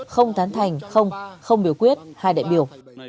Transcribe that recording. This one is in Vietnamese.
không tán thành không không biểu quyết hai đại biểu